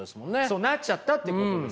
そうなっちゃったっていうことですね。